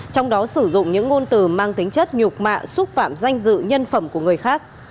trong đó sử dụng những ngôn từ mang tính chất nhục mạ xúc phạm danh dự nhân phẩm của người khác